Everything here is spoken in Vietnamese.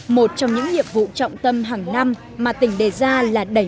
một trong những nhiệm vụ trọng tâm hàng năm mà tỉnh đề ra là đẩy